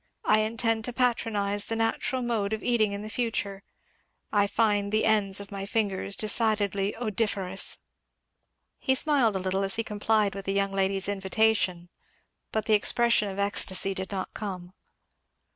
I intend to patronize the natural mode of eating in future. I find the ends of my fingers decidedly odoriferous." He smiled a little as he complied with the young lady's invitation, but the expression of ecstasy did not come.